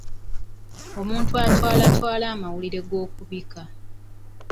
Omuntu atwalatwala amawulire g'okubika.